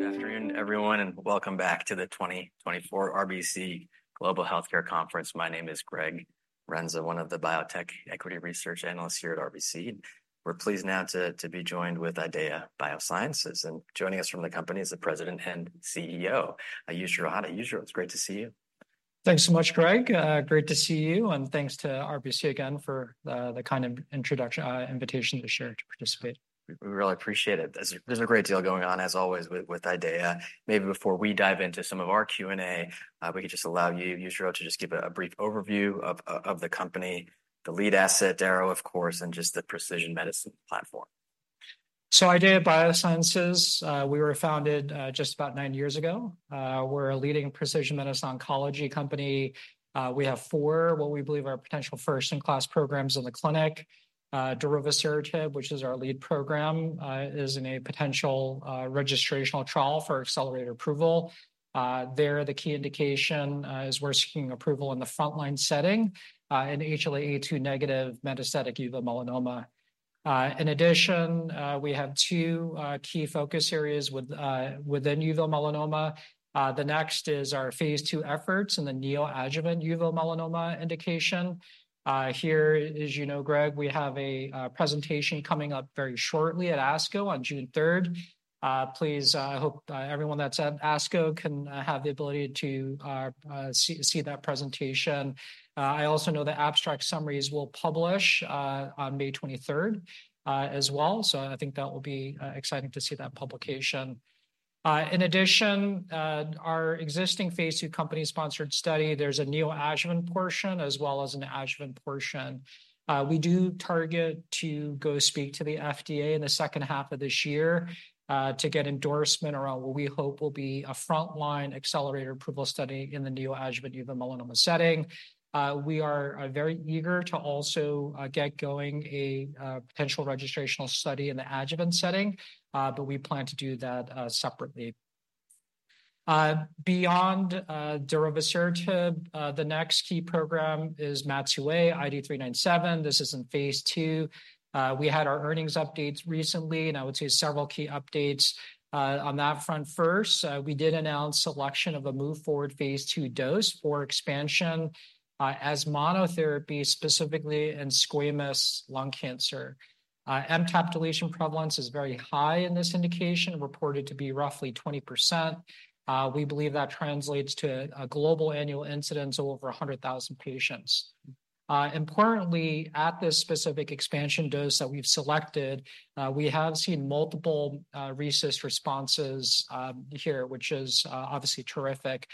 Good afternoon, everyone, and welcome back to the 2024 RBC Global Healthcare Conference. My name is Gregory Renza, one of the biotech equity research analysts here at RBC. We're pleased now to be joined with IDEAYA Biosciences, and joining us from the company is the President and CEO, Yujiro Hata. Yujiro, it's great to see you. Thanks so much, Greg. Great to see you, and thanks to RBC again for the kind introduction, invitation to share, to participate. We really appreciate it. There's a great deal going on, as always, with IDEAYA. Maybe before we dive into some of our Q&A, we could just allow you, Yujiro Hata, to just give a brief overview of the company, the lead asset, darovosertib, of course, and just the precision medicine platform. IDEAYA Biosciences, we were founded just about 9 years ago. We're a leading precision medicine oncology company. We have 4, what we believe are potential first-in-class programs in the clinic. Darovosertib, which is our lead program, is in a potential registrational trial for accelerated approval. There, the key indication is we're seeking approval in the frontline setting in HLA-A2-negative metastatic uveal melanoma. In addition, we have 2 key focus areas within uveal melanoma. The next is our phase II efforts in the neoadjuvant uveal melanoma indication. Here, as you know, Greg, we have a presentation coming up very shortly at ASCO on June 3rd. Please, I hope everyone that's at ASCO can have the ability to see that presentation. I also know the abstract summaries will publish on May 23rd as well, so I think that will be exciting to see that publication. In addition, our existing phase II company-sponsored study, there's a neoadjuvant portion as well as an adjuvant portion. We do target to go speak to the FDA in the second half of this year to get endorsement around what we hope will be a frontline accelerated approval study in the neoadjuvant uveal melanoma setting. We are very eager to also get going a potential registrational study in the adjuvant setting, but we plan to do that separately. Beyond darovosertib, the next key program is MAT2A IDE397. This is in phase II. We had our earnings updates recently, and I would say several key updates on that front. First, we did announce selection of a move forward phase II dose for expansion, as monotherapy, specifically in squamous lung cancer. MTAP deletion prevalence is very high in this indication, reported to be roughly 20%. We believe that translates to a global annual incidence of over 100,000 patients. Importantly, at this specific expansion dose that we've selected, we have seen multiple RECIST responses here, which is obviously terrific.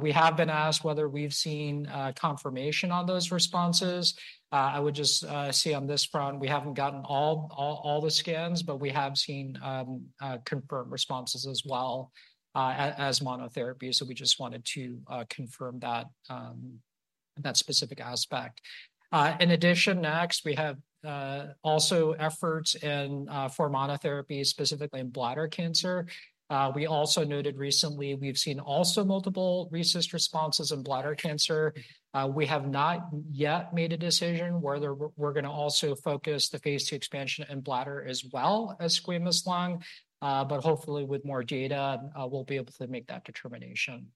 We have been asked whether we've seen confirmation on those responses. I would just say on this front, we haven't gotten all the scans, but we have seen confirmed responses as well, as monotherapy, so we just wanted to confirm that specific aspect. In addition, next, we have also efforts in for monotherapy, specifically in bladder cancer. We also noted recently we've seen also multiple RECIST responses in bladder cancer. We have not yet made a decision whether we're, we're gonna also focus the phase II expansion in bladder as well as squamous lung, but hopefully, with more data, we'll be able to make that determination.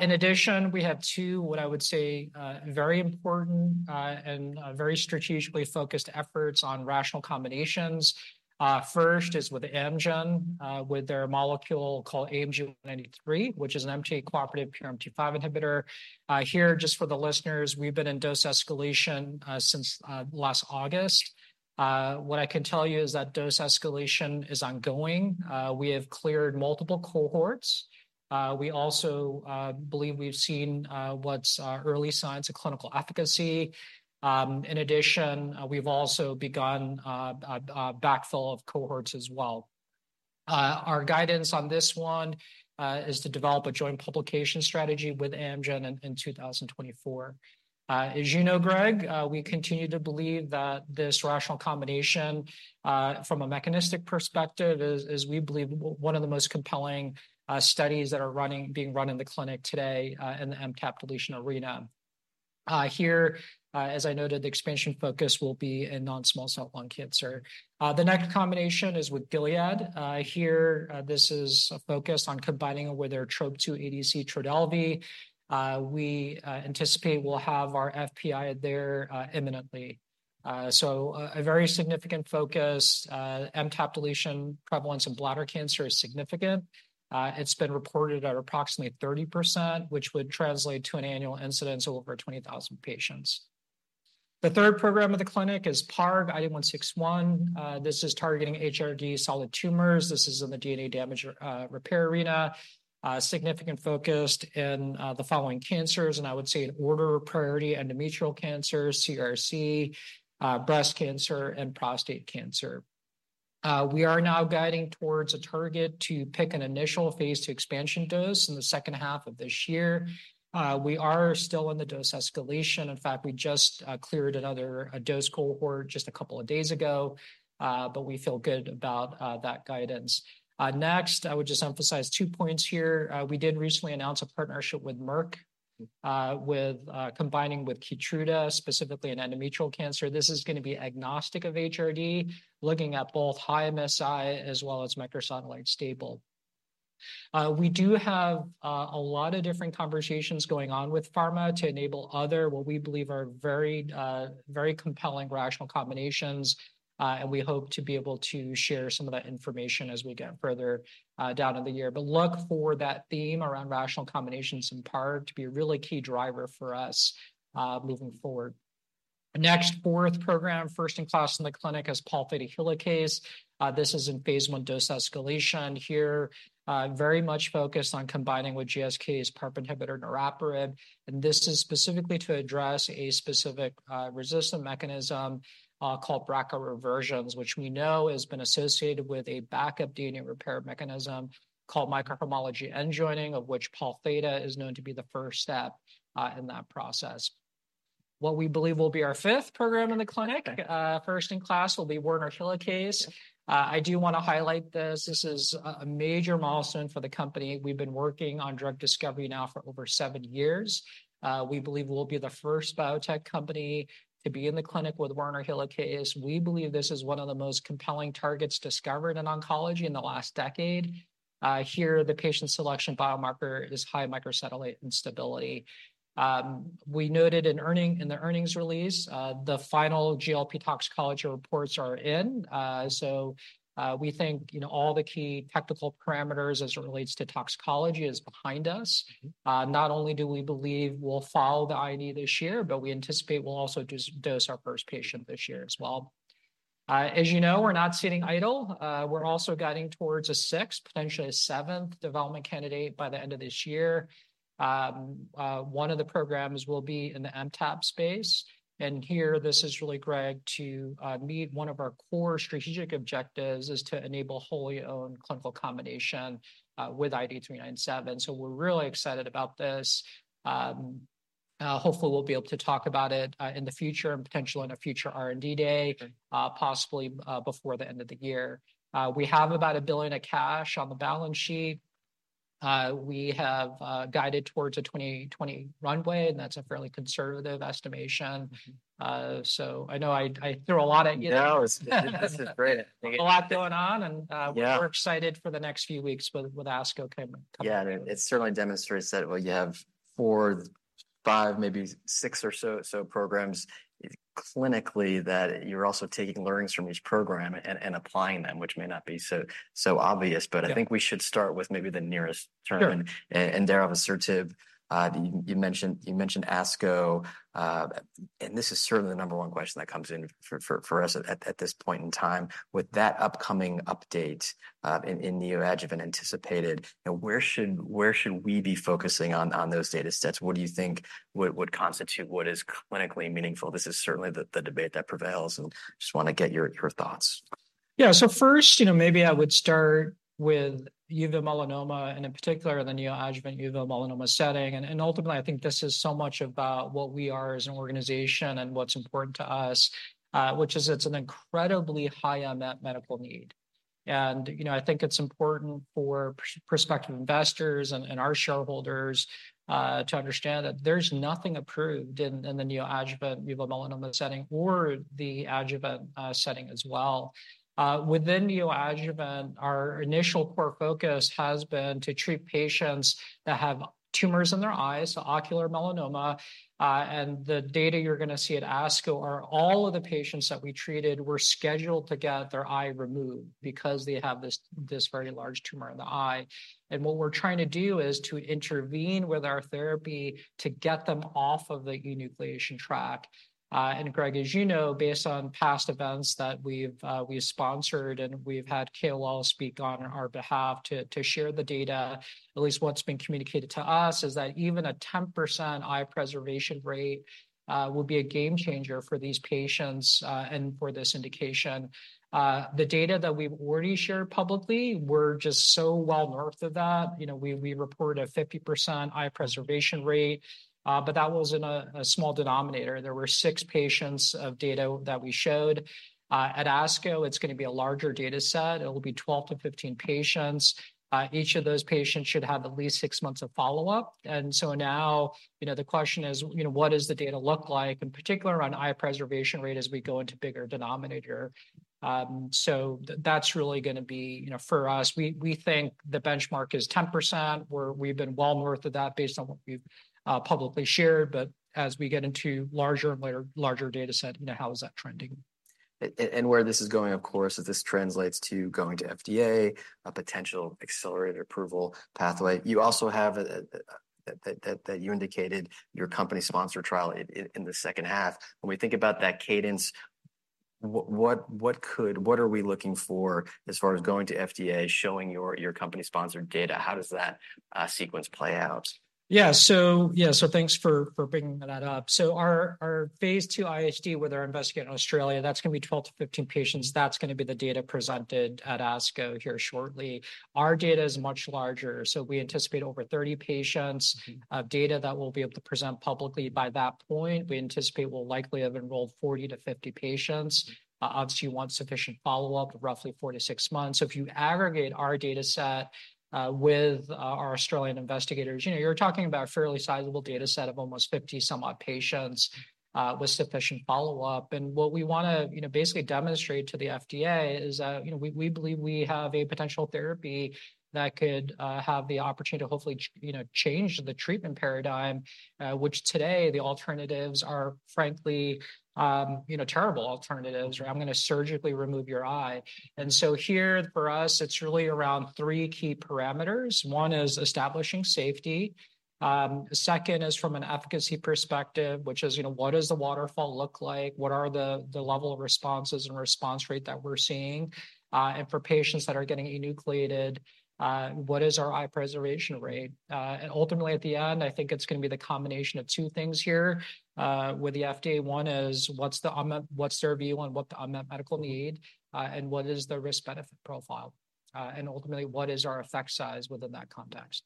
In addition, we have two, what I would say, very important and very strategically focused efforts on rational combinations. First is with Amgen, with their molecule called AMG 193, which is an MTA-cooperative PRMT5 inhibitor. Here, just for the listeners, we've been in dose escalation since last August. What I can tell you is that dose escalation is ongoing. We have cleared multiple cohorts. We also believe we've seen what's early signs of clinical efficacy. In addition, we've also begun a backfill of cohorts as well. Our guidance on this one is to develop a joint publication strategy with Amgen in 2024. As you know, Greg, we continue to believe that this rational combination from a mechanistic perspective is we believe one of the most compelling studies that are being run in the clinic today in the MTAP deletion arena. Here, as I noted, the expansion focus will be in non-small cell lung cancer. The next combination is with Gilead. Here, this is a focus on combining with their Trop-2 ADC Trodelvy. We anticipate we'll have our FPI there imminently. So, a very significant focus. MTAP deletion prevalence in bladder cancer is significant. It's been reported at approximately 30%, which would translate to an annual incidence of over 20,000 patients. The third program of the clinic is IDE161. This is targeting HRD solid tumors. This is in the DNA damage repair arena, significantly focused in the following cancers, and I would say in order of priority: endometrial cancer, CRC, breast cancer, and prostate cancer. We are now guiding towards a target to pick an initial phase II expansion dose in the second half of this year. We are still in the dose escalation. In fact, we just cleared another dose cohort just a couple of days ago, but we feel good about that guidance. Next, I would just emphasize two points here. We did recently announce a partnership with Merck, with combining with Keytruda, specifically in endometrial cancer. This is gonna be agnostic of HRD, looking at both high MSI as well as microsatellite stable. We do have a lot of different conversations going on with pharma to enable other, what we believe are very, very compelling rational combinations, and we hope to be able to share some of that information as we get further down in the year. But look for that theme around rational combinations in PARP to be a really key driver for us, moving forward. Next, fourth program, first-in-class in the clinic, is Pol Theta. This is in phase one dose escalation. Here, very much focused on combining with GSK's PARP inhibitor, niraparib, and this is specifically to address a specific, resistant mechanism, called BRCA reversions, which we know has been associated with a backup DNA repair mechanism called microhomology-end joining, of which Pol Theta is known to be the first step, in that process. What we believe will be our fifth program in the clinic, first in class, will be Werner helicase. I do wanna highlight this. This is a major milestone for the company. We've been working on drug discovery now for over seven years. We believe we'll be the first biotech company to be in the clinic with Werner helicase. We believe this is one of the most compelling targets discovered in oncology in the last decade. Here, the patient selection biomarker is high microsatellite instability. We noted in the earnings release, the final GLP toxicology reports are in. So, we think, you know, all the key technical parameters as it relates to toxicology is behind us. Mm-hmm. Not only do we believe we'll file the IND this year, but we anticipate we'll also dose our first patient this year as well. As you know, we're not sitting idle. We're also guiding towards a sixth, potentially a seventh development candidate by the end of this year. One of the programs will be in the MTAP space, and here, this is really, Greg, to meet one of our core strategic objectives, is to enable wholly owned clinical combination with IDE397. So we're really excited about this. Hopefully, we'll be able to talk about it in the future and potentially in a future R&D day. Sure... possibly, before the end of the year. We have about $1 billion of cash on the balance sheet. We have guided towards a 2028 runway, and that's a fairly conservative estimation. So I know I, I threw a lot at you. No, this is great. A lot going on, and, Yeah... we're excited for the next few weeks with ASCO coming. Yeah, and it certainly demonstrates that, well, you have 4, 5, maybe 6 or so, so programs clinically, that you're also taking learnings from each program and, and applying them, which may not be so, so obvious. Yeah. I think we should start with maybe the nearest term. Sure. Darovosertib. You mentioned ASCO, and this is certainly the number one question that comes in for us at this point in time. With that upcoming update in neoadjuvant anticipated, now where should we be focusing on those data sets? What do you think would constitute what is clinically meaningful? This is certainly the debate that prevails, and just wanna get your thoughts. Yeah. So first, you know, maybe I would start with uveal melanoma, and in particular, the neoadjuvant uveal melanoma setting. Ultimately, I think this is so much about what we are as an organization and what's important to us, which is it's an incredibly high unmet medical need. You know, I think it's important for prospective investors and our shareholders to understand that there's nothing approved in the neoadjuvant uveal melanoma setting or the adjuvant setting as well. Within neoadjuvant, our initial core focus has been to treat patients that have tumors in their eyes, ocular melanoma, and the data you're gonna see at ASCO are all of the patients that we treated were scheduled to get their eye removed because they have this very large tumor in the eye. What we're trying to do is to intervene with our therapy to get them off of the enucleation track. Greg, as you know, based on past events that we've, we've sponsored, and we've had KOLs all speak on our behalf to share the data, at least what's been communicated to us, is that even a 10% eye preservation rate will be a game changer for these patients, and for this indication. The data that we've already shared publicly, we're just so well north of that. You know, we reported a 50% eye preservation rate, but that was in a small denominator. There were 6 patients of data that we showed. At ASCO, it's gonna be a larger data set. It'll be 12-15 patients. Each of those patients should have at least six months of follow-up. And so now, you know, the question is, you know, what does the data look like, in particular around eye preservation rate, as we go into bigger denominator? So that's really gonna be... You know, for us, we, we think the benchmark is 10%, where we've been well north of that based on what we've publicly shared, but as we get into larger and larger, larger data set, you know, how is that trending? And where this is going, of course, is this translates to going to FDA, a potential accelerated approval pathway. You also have that you indicated your company-sponsored trial in the second half. When we think about that cadence. What are we looking for as far as going to FDA, showing your company-sponsored data? How does that sequence play out? Yeah, thanks for bringing that up. So our Phase 2 IST, where they're investigating in Australia, that's gonna be 12-15 patients. That's gonna be the data presented at ASCO here shortly. Our data is much larger, so we anticipate over 30 patients data that we'll be able to present publicly by that point. We anticipate we'll likely have enrolled 40-50 patients. Obviously, you want sufficient follow-up, roughly 4-6 months. So if you aggregate our data set with our Australian investigators, you know, you're talking about a fairly sizable data set of almost 50-some patients with sufficient follow-up. And what we wanna, you know, basically demonstrate to the FDA is that, you know, we believe we have a potential therapy that could have the opportunity to hopefully you know, change the treatment paradigm, which today the alternatives are, frankly, you know, terrible alternatives. I'm gonna surgically remove your eye. And so here, for us, it's really around three key parameters. One is establishing safety. Second is from an efficacy perspective, which is, you know, what does the waterfall look like? What are the level of responses and response rate that we're seeing? And for patients that are getting enucleated, what is our eye preservation rate? And ultimately, at the end, I think it's gonna be the combination of two things here, with the FDA. One is, what's their view on what the unmet medical need, and what is the risk-benefit profile? And ultimately, what is our effect size within that context?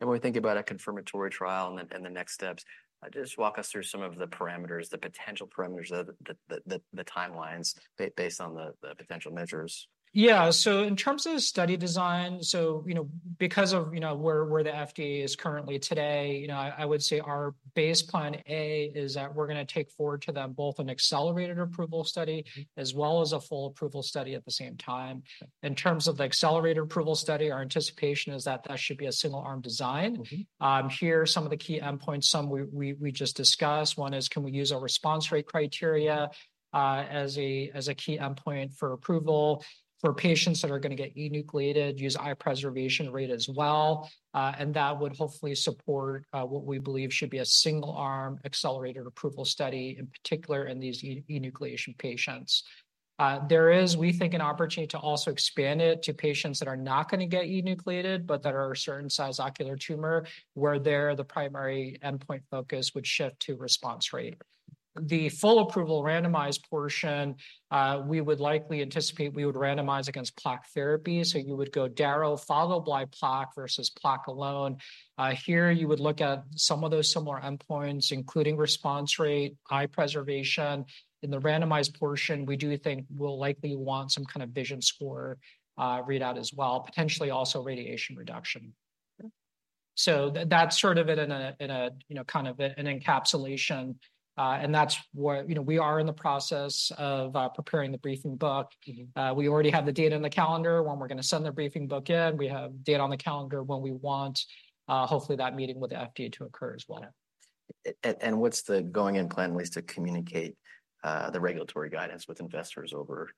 And when we think about a confirmatory trial and the next steps, just walk us through some of the parameters, the potential parameters, the timelines, based on the potential measures. Yeah. So in terms of study design, so, you know, because of, you know, where the FDA is currently today, you know, I would say our base plan A is that we're gonna take forward to them both an accelerated approval study- Mm-hmm... as well as a full approval study at the same time. In terms of the accelerated approval study, our anticipation is that that should be a single-arm design. Mm-hmm. Here, some of the key endpoints, some we just discussed. One is, can we use our response rate criteria as a key endpoint for approval? For patients that are gonna get enucleated, use eye preservation rate as well, and that would hopefully support what we believe should be a single-arm accelerated approval study, in particular, in these enucleation patients. There is, we think, an opportunity to also expand it to patients that are not gonna get enucleated, but that are a certain size ocular tumor, where the primary endpoint focus would shift to response rate. The full approval randomized portion, we would likely anticipate we would randomize against plaque therapies. So you would go Daro followed by plaque versus plaque alone. Here, you would look at some of those similar endpoints, including response rate, eye preservation. In the randomized portion, we do think we'll likely want some kind of vision score readout as well, potentially also radiation reduction. So that's sort of in a you know kind of an encapsulation, and that's what... You know, we are in the process of preparing the briefing book. Mm-hmm. We already have the date on the calendar, when we're gonna send the briefing book in. We have a date on the calendar when we want, hopefully that meeting with the FDA to occur as well. What's the going-in plan ways to communicate the regulatory guidance with investors over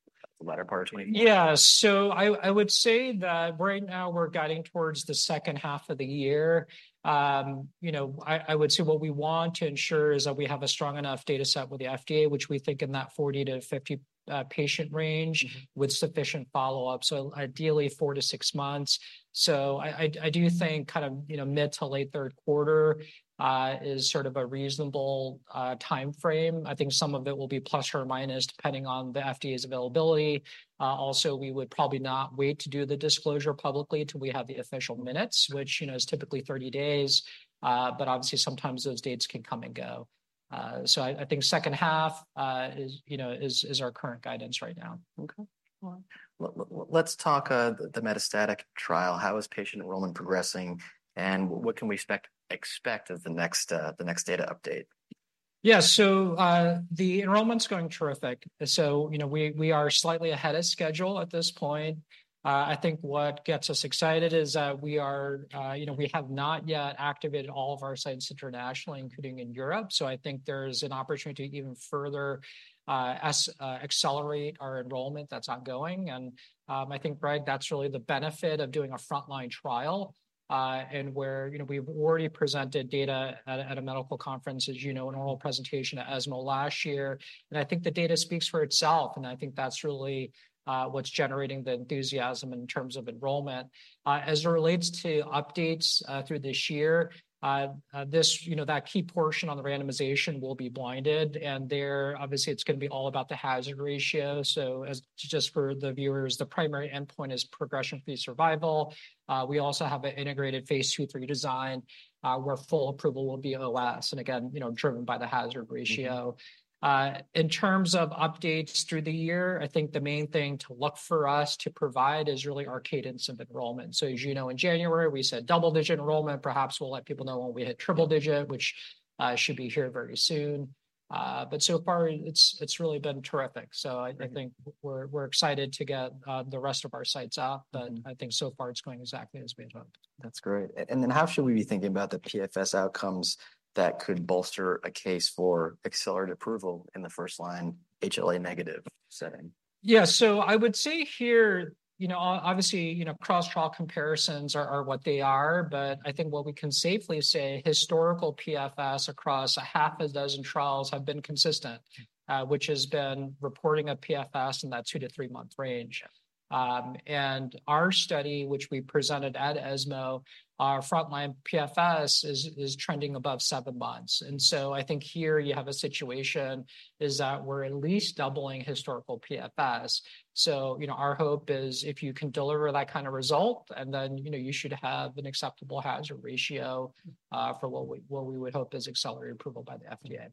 the latter part of 2024? Yeah. So I would say that right now we're guiding towards the second half of the year. You know, I would say what we want to ensure is that we have a strong enough data set with the FDA, which we think in that 40-50 patient range- Mm-hmm... with sufficient follow-up, so ideally, 4-6 months. So I do think kind of, you know, mid to late third quarter is sort of a reasonable time frame. I think some of it will be plus or minus, depending on the FDA's availability. Also, we would probably not wait to do the disclosure publicly till we have the official minutes, which, you know, is typically 30 days. So I think second half is, you know, is our current guidance right now. Okay. Well, let's talk the metastatic trial. How is patient enrollment progressing, and what can we expect of the next data update? Yeah. So, the enrollment's going terrific. So, you know, we are slightly ahead of schedule at this point. I think what gets us excited is that we are, you know, we have not yet activated all of our sites internationally, including in Europe. So I think there's an opportunity to even further accelerate our enrollment that's ongoing. And, I think, Greg, that's really the benefit of doing a frontline trial, and where, you know, we've already presented data at a medical conference, as you know, an oral presentation at ESMO last year. And I think the data speaks for itself, and I think that's really what's generating the enthusiasm in terms of enrollment. As it relates to updates through this year, you know, that key portion on the randomization will be blinded, and there, obviously, it's gonna be all about the hazard ratio. So as just for the viewers, the primary endpoint is progression-free survival. We also have an integrated phase II, III design, where full approval will be OS, and again, you know, driven by the hazard ratio. Mm-hmm. In terms of updates through the year, I think the main thing to look for us to provide is really our cadence of enrollment. So as you know, in January, we said double-digit enrollment. Perhaps we'll let people know when we hit triple digit, which should be here very soon. But so far, it's really been terrific. Mm-hmm. I think we're excited to get the rest of our sites up- Mm-hmm... but I think so far, it's going exactly as we had hoped. That's great. And then how should we be thinking about the PFS outcomes that could bolster a case for accelerated approval in the first-line HLA-negative setting?... Yeah, so I would say here, you know, obviously, you know, cross-trial comparisons are, are what they are, but I think what we can safely say, historical PFS across 6 trials have been consistent, which has been reporting a PFS in that 2- to 3-month range. And our study, which we presented at ESMO, our frontline PFS is, is trending above 7 months. And so I think here you have a situation, is that we're at least doubling historical PFS. So, you know, our hope is if you can deliver that kind of result, and then, you know, you should have an acceptable hazard ratio, for what we, what we would hope is accelerated approval by the FDA.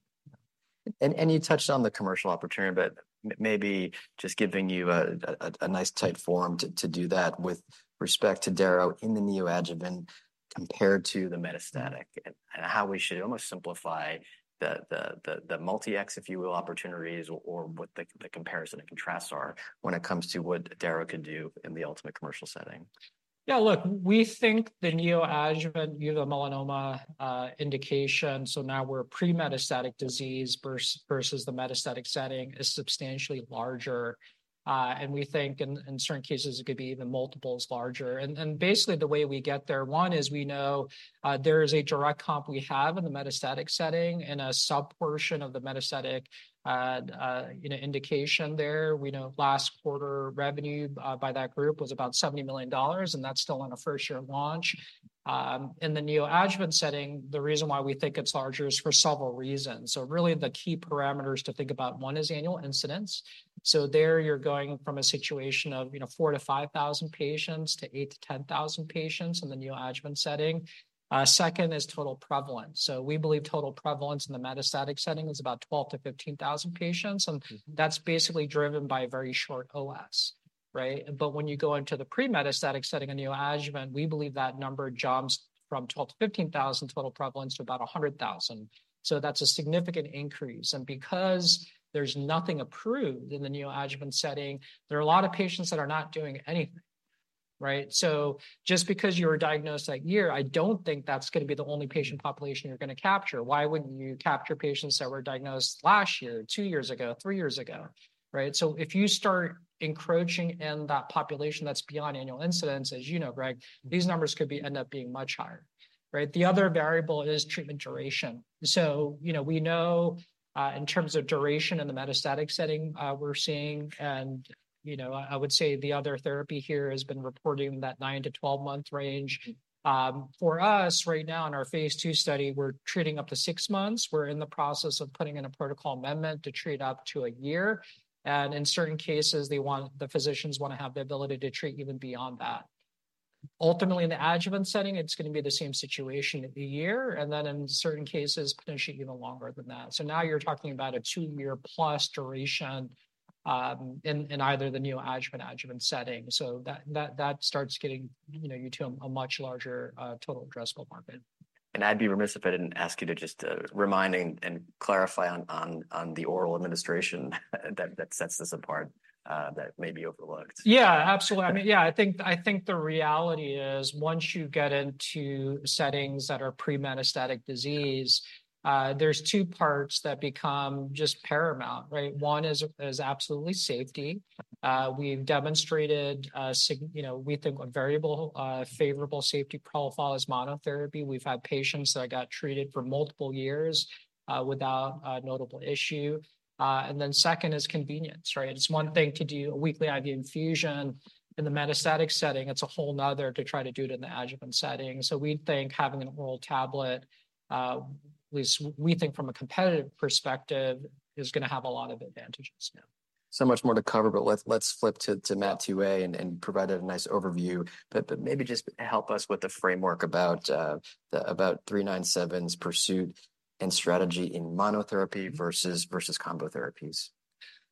You touched on the commercial opportunity, but maybe just giving you a nice tight form to do that with respect to Daro in the neoadjuvant compared to the metastatic, and how we should almost simplify the multi-x, if you will, opportunities or what the comparison and contrasts are when it comes to what Daro can do in the ultimate commercial setting. Yeah, look, we think the neoadjuvant uveal melanoma indication, so now we're pre-metastatic disease versus the metastatic setting, is substantially larger, and we think in certain cases, it could be even multiples larger. And basically, the way we get there, one is we know there is a direct comp we have in the metastatic setting and a subportion of the metastatic, you know, indication there. We know last quarter revenue by that group was about $70 million, and that's still in a first-year launch. In the neoadjuvant setting, the reason why we think it's larger is for several reasons. So really, the key parameters to think about, one is annual incidence. So there you're going from a situation of, you know, 4,000-5,000 patients to 8,000-10,000 patients in the neoadjuvant setting. Second is total prevalence. So we believe total prevalence in the metastatic setting is about 12-15 thousand patients, and- Mm... that's basically driven by a very short OS, right? But when you go into the pre-metastatic setting in neoadjuvant, we believe that number jumps from 12,000-15,000 total prevalence to about 100,000. So that's a significant increase, and because there's nothing approved in the neoadjuvant setting, there are a lot of patients that are not doing anything, right? So just because you were diagnosed that year, I don't think that's gonna be the only patient population you're gonna capture. Why wouldn't you capture patients that were diagnosed last year, two years ago, three years ago, right? So if you start encroaching in that population, that's beyond annual incidence, as you know, Greg, these numbers could be end up being much higher, right? The other variable is treatment duration. So, you know, we know in terms of duration in the metastatic setting, we're seeing, and, you know, I would say the other therapy here has been reporting that 9-12-month range. For us, right now in our phase two study, we're treating up to 6 months. We're in the process of putting in a protocol amendment to treat up to 1 year, and in certain cases, they want the physicians wanna have the ability to treat even beyond that. Ultimately, in the adjuvant setting, it's gonna be the same situation, 1 year, and then in certain cases, potentially even longer than that. So now you're talking about a 2-year-plus duration in either the neoadjuvant, adjuvant setting. So that starts getting, you know, you to a much larger total addressable market. I'd be remiss if I didn't ask you to just remind and clarify on the oral administration that sets this apart, that may be overlooked. Yeah, absolutely. I mean, yeah, I think, I think the reality is, once you get into settings that are pre-metastatic disease, there's two parts that become just paramount, right? One is absolutely safety. We've demonstrated, you know, we think a variable, favorable safety profile as monotherapy. We've had patients that got treated for multiple years, without a notable issue. And then second is convenience, right? It's one thing to do a weekly IV infusion in the metastatic setting; it's a whole another to try to do it in the adjuvant setting. So we think having an oral tablet, we think from a competitive perspective, is gonna have a lot of advantages. Yeah. So much more to cover, but let's flip to MAT2A and you provided a nice overview. But maybe just help us with the framework about 397's pursuit and strategy in monotherapy versus combo therapies.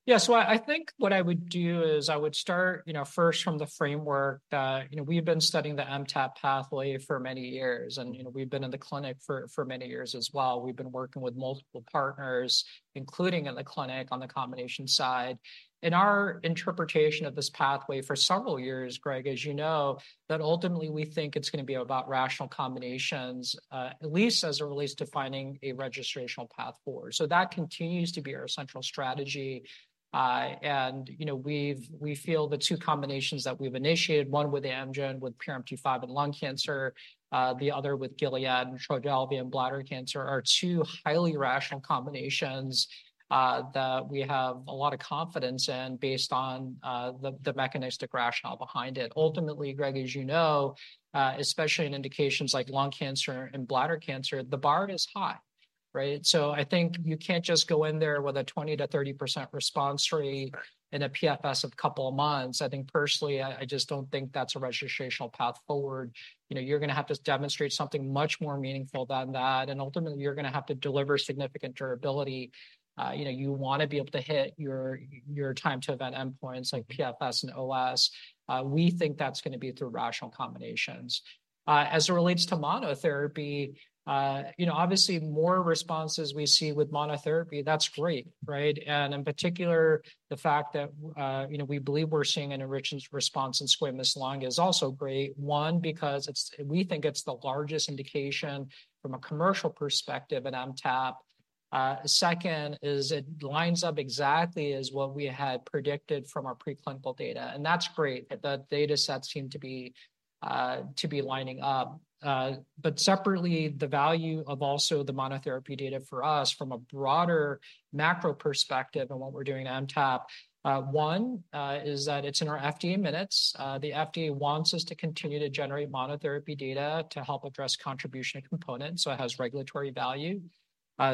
Yeah, so I think what I would do is I would start, you know, first from the framework that, you know, we've been studying the MTAP pathway for many years, and, you know, we've been in the clinic for many years as well. We've been working with multiple partners, including in the clinic, on the combination side. In our interpretation of this pathway for several years, Greg, as you know, that ultimately we think it's gonna be about rational combinations, at least as it relates to finding a registrational path forward. So that continues to be our central strategy. And, you know, we feel the two combinations that we've initiated, one with Amgen, with PRMT5 and lung cancer, the other with Gilead, Trodelvy, and bladder cancer, are two highly rational combinations, that we have a lot of confidence in based on, the, the mechanistic rationale behind it. Ultimately, Greg, as you know, especially in indications like lung cancer and bladder cancer, the bar is high, right? So I think you can't just go in there with a 20%-30% response rate- Right... in a PFS of a couple of months. I think personally, I just don't think that's a registrational path forward. You know, you're gonna have to demonstrate something much more meaningful than that, and ultimately, you're gonna have to deliver significant durability. You know, you wanna be able to hit your, your time-to-event endpoints like PFS and OS. We think that's gonna be through rational combinations. As it relates to monotherapy, you know, obviously, more responses we see with monotherapy, that's great, right? And in particular, the fact that, you know, we believe we're seeing an enriched response in squamous lung is also great. One, because it's, we think it's the largest indication from a commercial perspective in MTAP. Second is it lines up exactly as what we had predicted from our preclinical data, and that's great. The datasets seem to be lining up. But separately, the value of also the monotherapy data for us from a broader macro perspective and what we're doing in MTAP, one, is that it's in our FDA minutes. The FDA wants us to continue to generate monotherapy data to help address contribution of components, so it has regulatory value.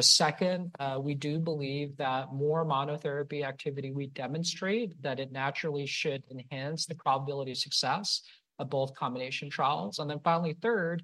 Second, we do believe that more monotherapy activity we demonstrate, that it naturally should enhance the probability of success of both combination trials. And then finally, third,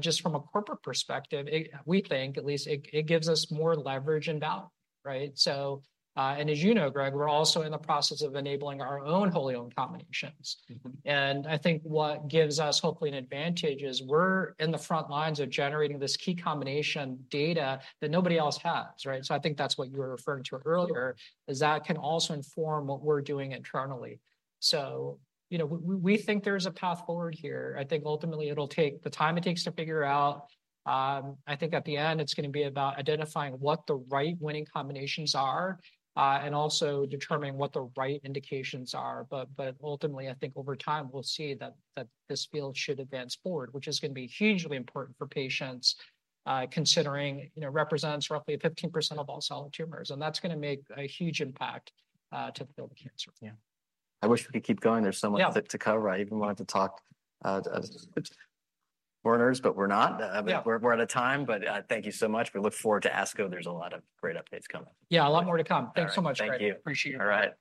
just from a corporate perspective, we think, at least, it gives us more leverage and value, right? So, and as you know, Greg, we're also in the process of enabling our own wholly owned combinations. Mm-hmm. I think what gives us, hopefully, an advantage is we're in the front lines of generating this key combination data that nobody else has, right? I think that's what you were referring to earlier- Yeah... is that can also inform what we're doing internally. So, you know, we think there's a path forward here. I think ultimately it'll take the time it takes to figure out. I think at the end, it's gonna be about identifying what the right winning combinations are, and also determining what the right indications are. But ultimately, I think over time, we'll see that this field should advance forward, which is gonna be hugely important for patients, considering, you know, it represents roughly 15% of all solid tumors, and that's gonna make a huge impact to the field of cancer. Yeah. I wish we could keep going. Yeah. There's so much left to cover. I even wanted to pan-cancers, but we're not. Yeah. But we're out of time, but thank you so much. We look forward to ASCO. There's a lot of great updates coming. Yeah, a lot more to come. All right. Thanks so much, Greg. Thank you. Appreciate it. All right.